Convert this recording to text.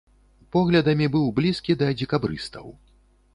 Поглядамі быў блізкі да дзекабрыстаў.